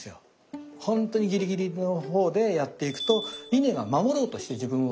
ほんとにギリギリの方でやっていくと稲が守ろうとして自分を。